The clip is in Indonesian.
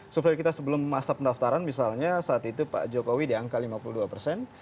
survei kita sebelum masa pendaftaran misalnya saat itu pak jokowi di angka lima puluh dua persen